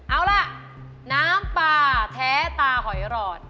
เอาล่ะน้ำปลาแท้ตาหอยหลอด